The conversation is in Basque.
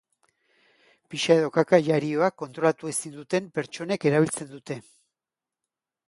Pixa edo kaka jarioa kontrolatu ezin duten pertsonek erabiltzen dute.